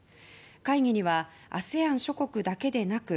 会議にはＡＳＥＡＮ諸国だけでなく